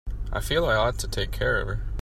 I feel I ought to take care of her.